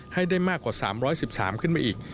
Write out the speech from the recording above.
ให้ได้มากกว่า๓๑๓ขึ้นมาอีก